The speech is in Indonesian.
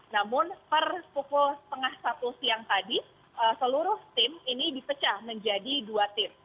namun per pukul dua belas tiga puluh siang tadi seluruh tim ini dipecah menjadi dua tim